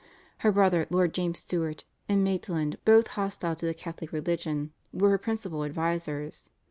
Her brother Lord James Stuart, and Maitland, both hostile to the Catholic religion, were her principal advisers.